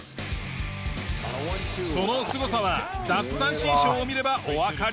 そのすごさは奪三振ショーを見ればおわかりいただけるだろう。